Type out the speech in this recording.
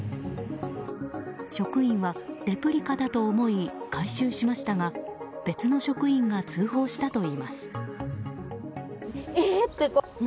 職員はレプリカだと思い回収しましたが別の職員が通報したといいます。